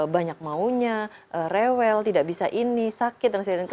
banyak maunya rewel tidak bisa ini sakit dan sebagainya